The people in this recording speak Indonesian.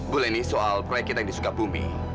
bu leni soal proyek kita yang disuka bumi